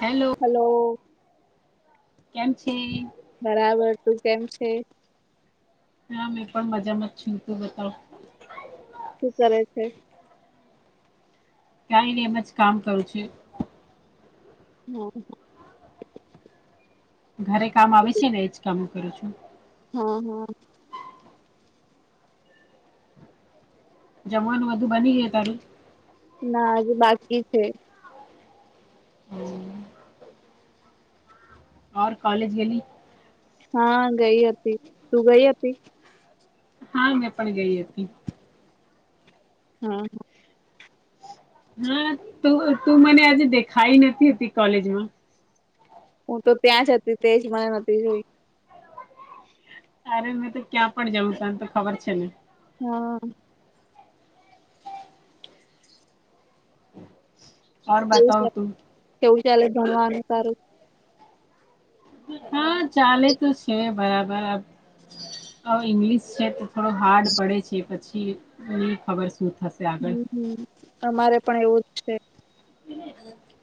Hello. Hello. કેમ છે? બરાબર. તું કેમ છે? હા. મેં પણ મજામાં જ છું. તું બતાવ. શું કરે છે? કાંઇ નહીં, એમ જ કામ કરું છું. હમ્મ. ઘરે કામ આવે છે ને, એજ કામ કરું છું. હા, હા. જમવાનું બધું બની ગયું તારું? ના હજી બાકી છે. ઓર કોલેજ ગયેલી? હા ગઈ હતી. તું ગઈ હતી? હા મેં પણ ગઈ હતી. હા. હા. તું-તું મને આજે દેખાઈ નથી હતી કોલેજમાં. હું તો ત્યાં જ હતી. તેજ મને નહોતી જોઈ. તારે મે તો ક્યાં પણ જવું, તન તો ખબર છે ને. હા. ઓર કેવું બતાવ ચાલે તું. કેવું ચાલે છ ભણવાનું તારું? હા ચાલે તો છે બરાબર. હવે ઈંગ્લિશ છે તો થોડો હાર્ડ પડે છે. પછી હવે ઈ ખબર શું થશ હમ્મ-હમ્મ. અમારે પણ એવું જ છે. [inaudible]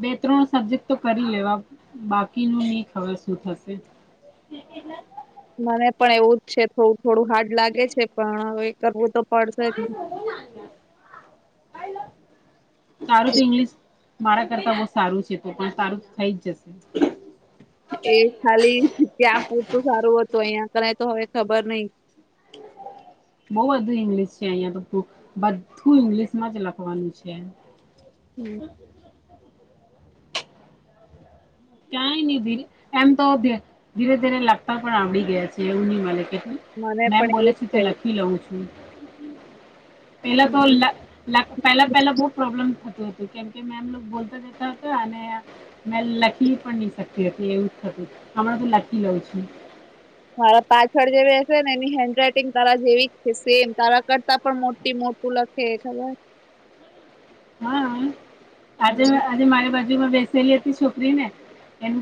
બે-ત્રણ સબ્જેક્ટ તો કરી લેવા, બાકીનું ની ખબર શું થશે. [inaudible] મને પણ એવું જ છે. થોડુંક થોડું હાર્ડ લાગે છે, પણ હવે એ કરવું તો પડશે જ. [inaudible] તારું તો ઇંગ્લિશ મારા કરતા બહું સારું છે. તો પણ સારું થઈ જ જશે. એ ખાલી ત્યાં પૂરતું સારું હતું. અહિયાં [unintelligible] તો હવે ખબર નઈ. [inaudible] બઉ બધું ઇંગ્લિશ છે. અહિયાં તો [unintelligible] બધું ઈંગ્લિશમાં જ લખવાનું છે. હમ. ક્યાંય નહી ધીરે, એમ તો ધીરે- ધીરે લેપટોપ પણ આવડી ગયા છે. એવું ની મળે. મને મેમ પણ બોલે એવું છે જ તે લખી લઉં છું પેલા તો લ પહેલા- પહેલા બહુ પ્રોબ્લેમ થતુ હતુ. કેમકે મેમ લોક બોલતા રહેતા હતા અને મેં લખી પણ નહી શકતી હતી એવું જ થતું. હમણાં તો લખી લઉં છું. મારા પાછળ જે બેશે ને એની હેન્ડ રાઈટિંગ તારા જેવી છે. સેમ તારા કરતા પણ મોટી- મોટી શું લખે એ ખબર? હા, આજે હા, મે આજે મારી બાજુ માં બેસેલી હતી છોકરીને એમ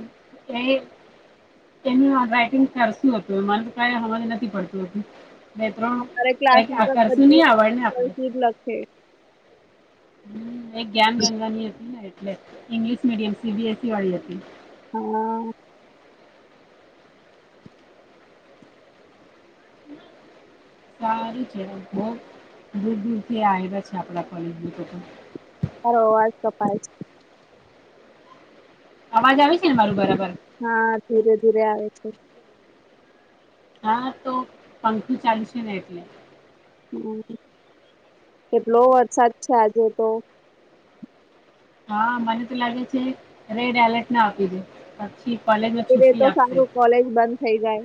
એ એનુ આ રાઈટીંગ કરશું હતું માને તો કઇ હમજ નથી પડતુ હતું. એ અમારે ક્લાસ ત્રણએક આ કર્ષીવ ની આવડે ને આપણ ને. હે [unintelligible] એ જ્ઞાનગઁગા ની હતી, એટલે English medium C B S C વાળી હતી. ઓહ. સારું છે લોક બો દૂર- દૂરથી આયવા છે. આપણા કોલેજમાં તો. તારો અવાજ કપાય છે. અવાજ આવે છે ને મારું બરાબર. હા ધીરે -ધીરે આવે છે. હા, તો પંખો ચાલુ છે ને એટલે. કેટલો વરસાદ છે આજે તો? હા, મને તો લાગે છે રેડ એલર્ટ ના આપી દે. પછી કોલેજમાં આપી દેય છુટ્ટી તો આપશે સારું કોલેજ બંધ થઇ જાય.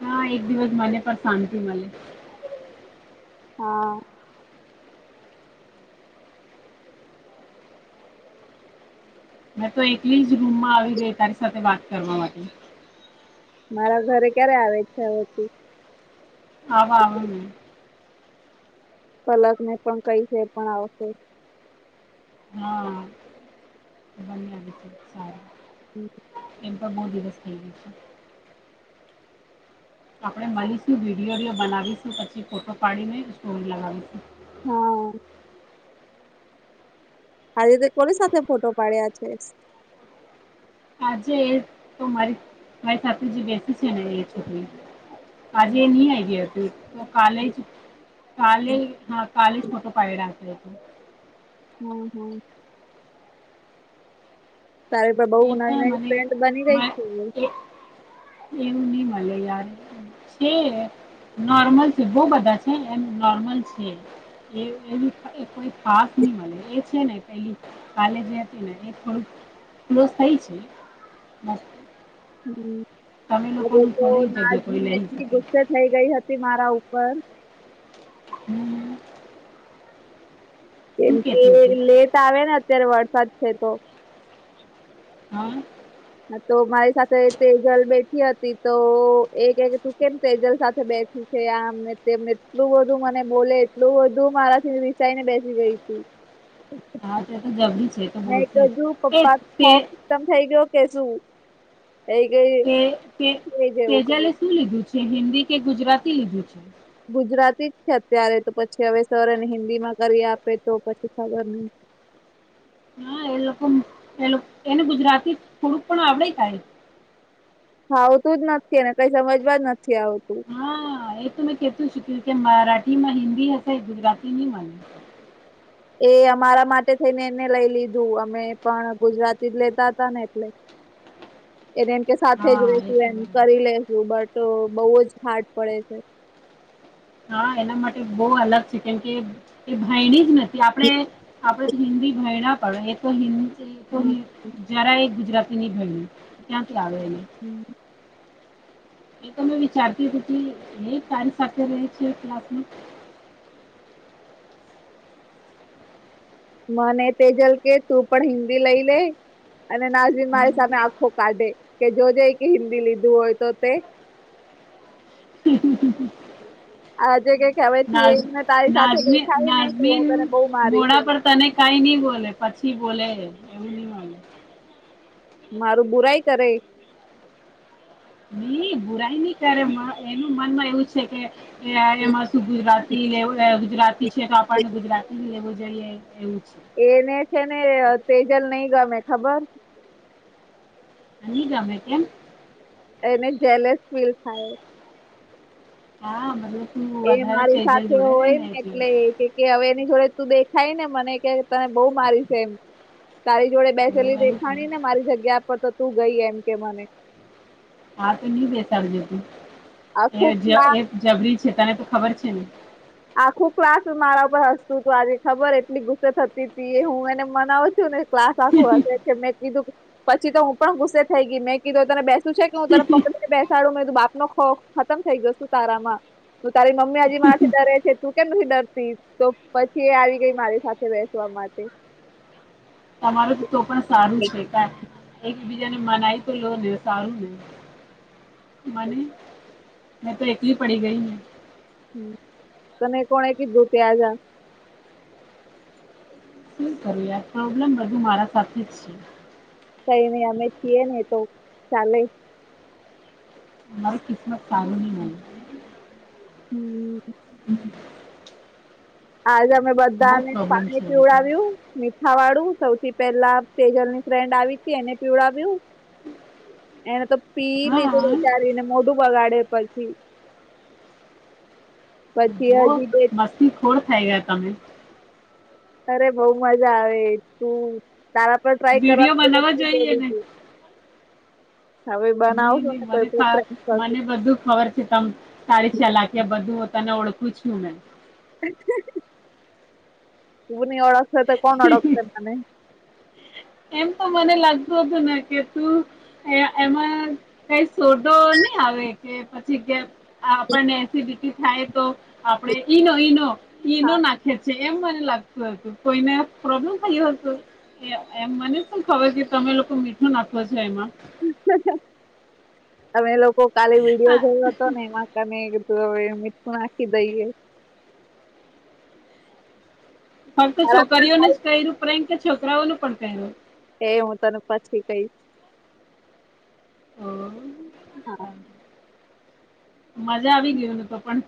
હા એક દિવસ મને પણ શાંતિ મલે. હા. મેં તો એકલી જ રૂમમાં આવી ગઈ તારી સાથે વાત કરવા માટે. મારા ઘરે ક્યારે આવે છે હવેથી. આવા-આવા મે. પલક ને પણ કઈદે એ પણ આવશે. હા, બન્ને આવશે તો સારુ. હું [inaudible] એમ પણ બો દિવસ થઇ ગ્યા છે. આપડે મલીશું વિડીયો રીયો બનાવીશું, પછી ફોટો પાડીને સ્ટોરી લગાવીશું. હા. આજે તે કોની સાથે ફોટો પાડ્યા છે. આજે એ તો મારી- મારી સાથે જે બેસી છે ને એ છોકરી. આજે હમ એ ની આયવિ હતી, તો કાલે જ કાલે હા કાલેજ ફોટો પાડી ને આપી દેતે. હાં હાં. તારી તો બઉ એ નવી પણ -નવી મને ફ્રેન્ડ બની ગઈ છે. ચીઝ ની એવું ની મલે યાર. છે નોર્મલ છે બો બધા છે એમ નોર્મલ છે. [inaudible] [unintelligible] [inaudible] [unintelligible] [unintelligible] તમે લોકોનું થોડી જગ્યા કોઈ લઈ શકે ગુસ્સે થઈ ગઈ હતી મારા ઉપર. [inaudible] કેમ શું કે કેતી હતી લેટ આવે ને અત્યારે વરસાદ છે તો. હા. હા તો મારી સાથે તેજલ બેઠી હતી તો એ કે કે તું કેમ તેજલ સાથે બેઠી છે આમને તેમને એટલું બધું મને બોલે એટલું બધું મારાથી રીસાઈને બેસી ગઈ તી. હા તે તો જબરી છે. તો મે બોલશે જ કીધું એ પપ્પાનો તે ખોફ ખતમ થઈ ગયો કે શું. થઈ ગઈ કે કે એટલે તેજલે [unintelligible] શું લીધું છે હિન્દી કે ગુજરાતી લીધું છે. ગુજરાતી જ છે અત્યારે તો પછી હવે સર એને હિન્દીમાં કરી આપે તો પછી ખબર ની. હા એ લોકો એ એને ગુજરાતી થોડુંક પણ આવડે કાય. ફાવતુંજ નથી ને કઈ સમજવા જ નથી આવતું. હા એ તો મેં કેતું શક્યું કે મરાઠીમાં હિન્દી હશે ગુજરાતી નહી મલે. એ અમારા માટે થઈને એને લઈ લીધું અમે પણ ગુજરાતી જ લેતા હતા ને એટલે. [inaudible] એને એમ કે સાથે જ હા એ રેસું તો એમ બરાબર. કરી લેસુ બટ બઉ જ હાર્ડ પડે છે. હા એના માટે બહુ અલગ છે કેમકે એ ભયણીજ નથી આપડે આપણે તો હિન્દી ભણ્યા પડે એ તો હિન્ [unintelligible] તો હમ. જરાએ ગુજરાતીની ભણ્યું તો ક્યાંથી આવેને એને. [unintelligible] એ તો મેં વિચારતી હતી એ તારી સાથે રહે છે ક્લાસમાં મને તેજલ કે તું પણ હિન્દી લઈ લે અને નાજવી મારી સામે આખો કાઢે કે જોજે કે હિન્દી લીધું હોય તો તે. આજે કે કે હવેથી એને તારી સાથે દેખાય ને તો હું તને બહુ [unintelligible] મારીશ મોડા એમ. પર તને કઈ ની બોલે પછી બોલે એ. મારું બુરાઈ કરે નહી બુરાઈ ની કરે એનું મનમાં એવું છે કે એ એમાં શું ગુજરાતી લેવ ગુજરાતી છે તો આપણને ગુજરાતી લેવું જોઈએ એવું છે એને છે ને તેજલ નઈ ગમે ખબર. ની ગમે કેમ. એને જેલેસ ફીલ થાય. હા [unintelligible] એ મારી તેજલ સાથે જોડે રે હોય ને એટલે કે હવે એની જોડે તું દેખાય ને મને કે તને બહુ મારીશ એમ. તારી જોડે એવું બેસેલી એવું દેખાણીને મારી જગ્યા પર તો તું ગઈ એમ કે મને. હા તો નહી બેસાડજેતું આખું એ પ્લાન એ જબરી છે તને તો ખબર છે ને. આખું ક્લાસ મારા ઉપર હસતું હતું આજે ખબર એટલી ગુસ્સે થતી હતી એ હું એને મનાવ છું ને ક્લાસ આખો હશે મેં કીધું પછી તો હું પણ ગુસ્સે થઈ ગઈ મેં કીધું તને બે [unintelligible] બેસાડું મે તો બાપનો ખોખ ખતમ થઈ ગયો શું તારામાં તું તારી મમ્મી હજી મારે ડરે છે તું કેમ નથી ડરતી તો પછી એ આવી ગઈ મારી સાથે બેસવા માટે. તમારું તો તો પણ સારું છે કા એકબીજાને મનાય તો લો ને સારું નહી. [inaudible] હા ની મે તો એકલી પડી ગઈ ને. હમમ તને કોને કીધું કે આવયા? હું કર્યા પ્રોબ્લેમ બધું મારા સાથે જ છે. કઈ નઈ અમે છીએ ને તો ચાલે અમારી કિસ્મત સારી ની હોઈ. હમમ. [inaudible] આજે અમે બહુ બધાને પ્રોબ્લેમ છે પાણી અહીંથી. પીવડાવ્યું મીઠા વાળું સૌથી પેલા તેજલની ફ્રેન્ડ આવી તી એને પીવડાવ્યું. એને તો પી લીધું હા બેચારીને મોઢું બગાડે પછી પછી જુવો હજી બે મસ્તી ખોર થઈ ગયા તમે. અરે બઉ મજા આવે તું તારા પર ટ્રાય કરવા વિડીયો તો બનાવવા શું જોઈએ બોલું ને છું. ની બનાવશું ની ને મને કોઈ પણ સા ફ્રેન્ડ કરશું મને બધું ખબર છે તમ તારી ચલાકયા બધું હું તને ઓળખું છું મે. તુ ની ઓળખસે તો કોણ ઓળખસે મને. એમ તો મને લાગતું હતું ને કે તું એ એમાં કઈ શોધો ની આવે કે પછી ગેપ આપણને એસિડિટી થાય તો આપણે ઈનો ઈનો ઈનો હા નાખયે છે. જે એમ મને લાગતું હતું કોઈને પ્રોબ્લેમ થયુ હતું એમ. એમ મને શું ખબર કે તમે લોકો મીઠું નાખો છો એમાં. અમે લોકો કાલે વિડીયો હા, જોયો ત તો એ માં તમે કીધું હવે મીઠું નાખી દઈએ કેમ કે તારા પર છોકરીઓને થાય જ કર્યું પ્રેમ કે છોકરાઓનું પણ પ્રેમ એ હું તને પછી કઈશ. અ હા. મજા આવી ગીયો ને તો પણ.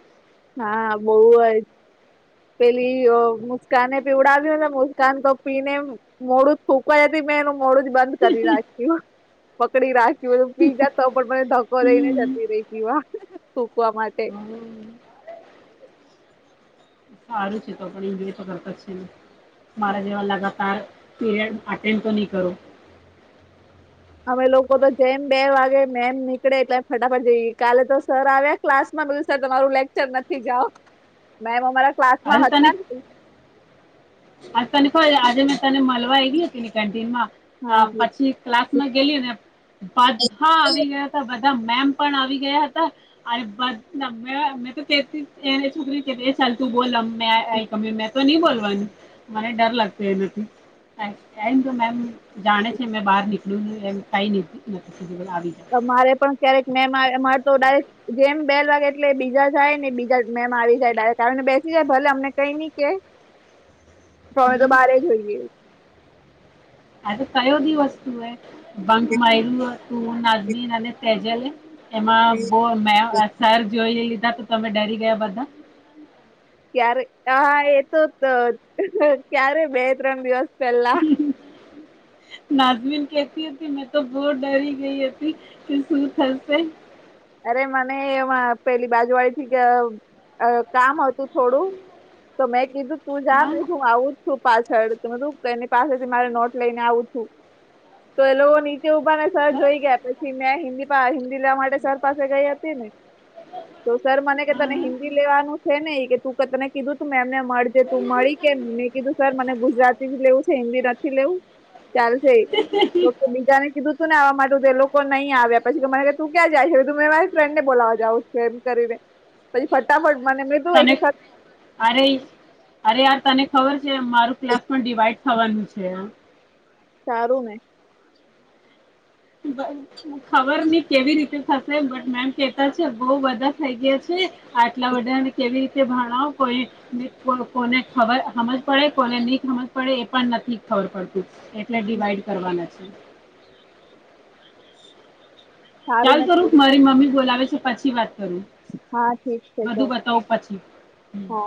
હા બોવ જ પેલી મુસ્કાને પીવડાવ્યું અને મુસ્કાન તો પીને મોડું જ થુકવા જતી મેં એનું મોડું જ બંધ કરી નાખ્યું. પકડી રાખી તો પિજા તો પણ મને ધક્કો લઈને હમ જતી રેતી થુકવા માટે. ઓ, હારું થિયુ તો પણ એ બે તો કરતા જ છે ને મારા જેવા લગા તાર પીરિયડ અટેન્ડ તો ની કરો. અમે લોકો તો જેમ બે વાગે મેમ નીકળે એટલે ફટાફટ જઈ કાલે તો સર આવ્યા ક્લાસ માં બધું સર તમારું લેક્ચર નથી જાઓ મેમ અમારા ક્લાસ માં આજે હતા તને ને તને ખબર આજે મે તને મલવા આયવી હતી ને કેન્ટીન માં. હા પછી ક્લાસ માં ગેઈલી ને બાદ હા આવી ગયા બધા મેમ પણ આવી ગયા હતા અરે બસ મે મે તો કે છોકરી ને કેટી સરખું બોલ ગમે તે મેં તો ની બોલવાનું મને ડર લાગતો એનાથી એમ મેમ જાણે છે મેં બહાર નીકળ્યું એમ કઈ નહિ થાય આવી જાય. અમારે પણ ક્યારેક મેમ આવે અમારે તો ડાયરેક ગેમ બેલ વાગે એટલે બીજા જાય ને બીજા મેમ આવી જાય ડાયરેક આવીને બેસી જાય ભલે અમને કઈ ની કે. પર અમે તો બારે જઈએ. આ તો કયો બી વસ્તુ એ બંક માયર્યું તું નાજમીન અને તેજલે એમાં બો મે ક્યારે સર જોઈ લીધા તો તમે ડરી ગયા બધા. ક્યારે હ એ તો તો ક્યારે બે ત્રણ દિવસ પહેલા. [inaudible] નાજમિન કેતી હતી મેં તો બહુ ડરી ગઈ હતી કે શું થસે. અરે મને એમાં પેલી બાજુવાડી થી ક અ કામ હતું થોડું. તો મેં કીધું તું જા હા ને હું આવું. છુ પાછળ તો મે કીધું કે એની પાસેથી મારે નોટ લઈને આવું છું તો એ લોકોની નીચે ઉભા ને સર હા જોઈ ગયા પછી મેં હિન્દીમાં હિન્દી લેવા માટે સર પાસે ગઈ હતી ને તો સર કે તને હા હિન્દી લેવાનું છે ને કે તું તને કીધું તું મેમને મળ. જે તું મળી કેમ નઈ મેં કીધું સર મને ગુજરાતી લેવું છે. હિન્દી નથી લેવું. ચાલ સે તો કે બીજાને કીધું હતું ને આવા માટે તો એ લોકો એ લોકો નહી આવ્યા પછી તો મને કેય તું ક્યાં જાય છે. મે કીધું મે મારી ફ્રેન્ડ ને બોલાવા જાવ છું એમ કરીને. પછી ફટાફટ મને કિધુ તને એકે સર અરે અરે યાર તને ખબર છે મારું ક્લાસ પણ ડિવાઈડ થવાનું છે. સારું ને. બસ. હ ખબર નહીં કેવી રીતે થશે બટ મેમ કેતા છે બહું બધા થઈ ગયા છે આટલા બધાને કેવી રીતે ભણાવો કોઈ ને કોન કોને ખબર હમજ પડે કોને ની હમજ પડે એ પણ ની ખબર પડતી. એટલે ડીવાઈડ કરવાના છે. સારું ચાલ ને તો થઈ રુક ગયું. મારી મમ્મી બોલાવે છે પછી વાત કરું. હા ઠીક છે બધું ચાલ બતાવું પછી. હા